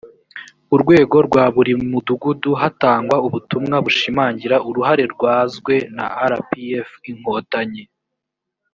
urwego rwa buri mudugudu hatangwa ubutumwa bushimangira uruhare rwazwe na rpf inkotanyi